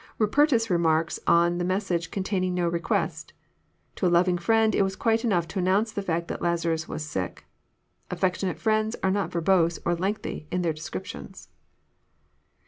Bupertus remarks, on the message containing no request: " To a loving friend it was quite enough to announce the fact that Lazarus was sick." Affectionate friends are not verbose or lengthy in descriptions.